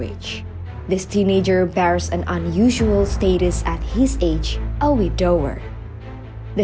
anak kecil ini memiliki status yang tidak biasa pada umurnya